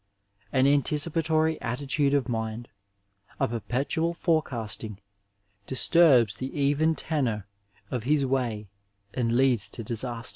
An anticipatory attitude of mind, a perpetual forecast ing, disturbs the even tenor of his way and leads to diftst^.